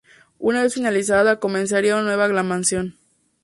Una vez finalizada, comenzaría una nueva glaciación.